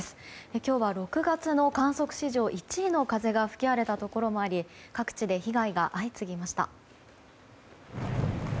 今日は６月の観測史上１位の風が吹き荒れたところもあり各地で被害が相次ぎました。